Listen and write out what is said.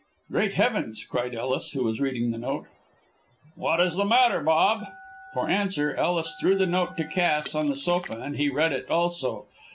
"Great heavens!" cried Ellis, who was reading the note. "What is the matter, Bob?" For answer Ellis threw the note to Cass on the sofa, and he read it also.